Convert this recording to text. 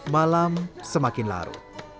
malam semakin larut